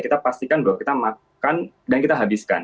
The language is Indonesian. kita pastikan bahwa kita makan dan kita habiskan